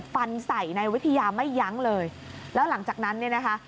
ฟันใส่ในวิทยาไม่ยั้งเลยแล้วหลังจากนั้นเนี่ยนะคะ